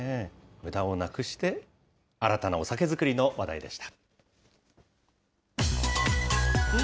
むだをなくして、新たなお酒造りの話題でした。